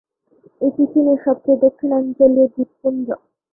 এটি চীনের সবচেয়ে দক্ষিণাঞ্চলীয় দ্বীপপুঞ্জ।